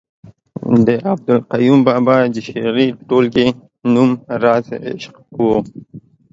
د عبدالقیوم بابا د شعري ټولګې نوم رازِ عشق ؤ